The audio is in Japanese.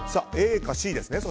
ＡかＣですね。